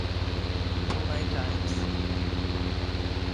Brunei Times.